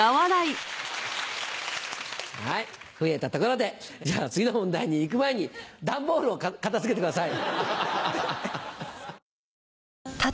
はい増えたところでじゃあ次の問題に行く前に段ボールを片付けてください。